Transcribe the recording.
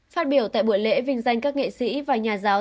phát biểu tại buổi lễ vinh danh các nghệ sĩ và nhà giáo